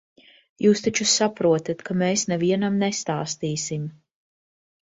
Jūs taču saprotat, ka mēs nevienam nestāstīsim.